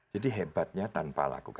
jadi hebatnya tanpa laku